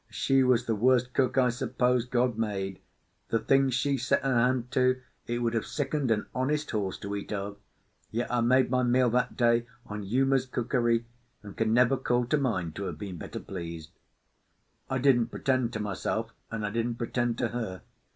She was the worst cook I suppose God made; the things she set her hand to it would have sickened an honest horse to eat of; yet I made my meal that day on Uma's cookery, and can never call to mind to have been better pleased. I didn't pretend to myself, and I didn't pretend to her.